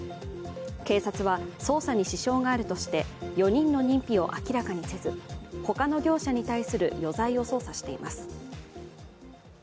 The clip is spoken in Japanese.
警察は捜査に支障があるとして、４人の認否を明らかにせず他の業者に対する余罪を捜査しています。